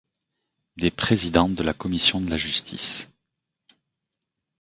Il est président de la commission de la Justice.